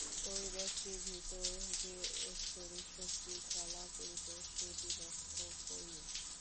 ঐ ব্যক্তির ভিতর যে ঐশ্বরিক শক্তি খেলা করিত, সেটি লক্ষ্য করিও।